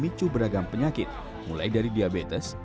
micu beragam penyakit mulai dari diabetes